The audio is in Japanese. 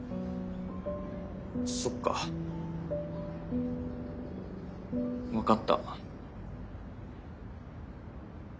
そっか分かった。